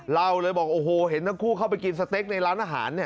เล่าเลยบอกโอ้โหเห็นทั้งคู่เข้าไปกินสเต็กในร้านอาหารเนี่ย